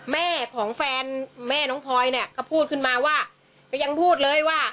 แม่ของแฟนแม่น้องพลอยเนี่ยก็พูดขึ้นมาว่าก็ยังพูดเลยว่า